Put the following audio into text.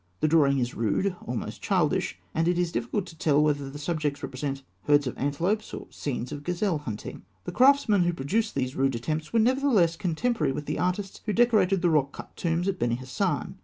The drawing is rude, almost childish; and it is difficult to tell whether the subjects represent herds of antelopes or scenes of gazelle hunting. The craftsmen who produced these rude attempts were nevertheless contemporary with the artists who decorated the rock cut tombs at Beni Hasan.